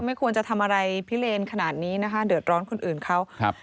ไม่ควรจะทำอะไรพิเลนขนาดนี้นะคะเดือดร้อนคนอื่นเขาครับ